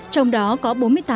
trong đó có bốn mươi tám tổ chức